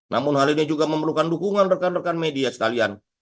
namun hal ini juga memerlukan dukungan rekan rekan media sekalian